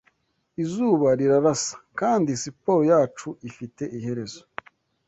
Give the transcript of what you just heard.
Izuba rirarasa, Kandi siporo yacu ifite iherezo